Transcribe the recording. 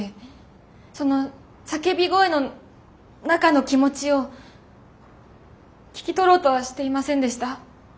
その叫び声の中の気持ちを聞き取ろうとはしていませんでした。